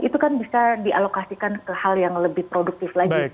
itu kan bisa dialokasikan ke hal yang lebih produktif lagi